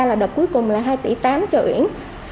cái đợt cuối cùng là hai tám tỷ cho uyển